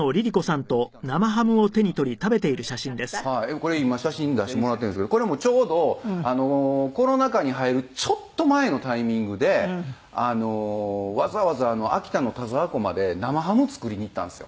これ今写真出してもらってるんですけどこれもちょうどあのコロナ禍に入るちょっと前のタイミングであのわざわざ秋田の田沢湖まで生ハム作りに行ったんですよ。